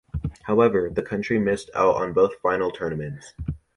However, the country missed out on both final tournaments.